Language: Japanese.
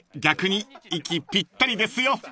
逆に息ぴったりですよ］